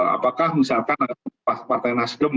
apakah misalkan partai nasional